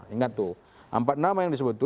ingat tuh empat nama yang disebut itu